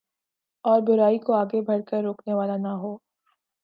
اور برائی کوآگے بڑھ کر روکنے والا نہ ہو